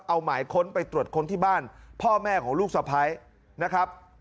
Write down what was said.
เอาหมายค้นไปตรวจค้นที่บ้านพ่อแม่ของลูกสะพ้ายนะครับ